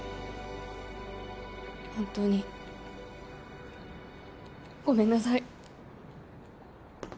本当にごめんなさい